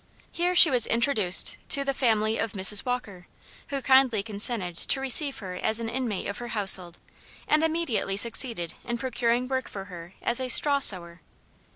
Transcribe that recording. Here she was introduced to the family of Mrs. Walker, who kindly consented to receive her as an inmate of her household, and immediately succeeded in procuring work for her as a "straw sewer."